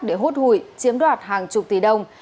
để hốt hụi chiếm đoạt hàng chục tỷ đồng